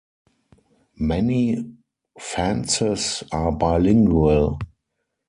Many Fantses are bilingual.